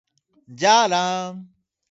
じゃらんーーーーー